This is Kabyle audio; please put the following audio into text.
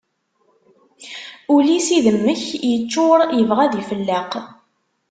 Ul-is idemmek yeččur yebɣa ad ifelleq.